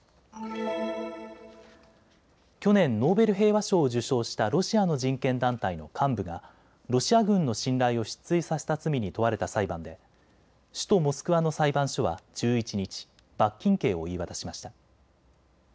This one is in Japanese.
去年、ノーベル平和賞を受賞したロシアの人権団体の幹部がロシア軍の信頼を失墜させた罪に問われた裁判で首都モスクワの裁判所は１１日、罰金刑を言い渡しました。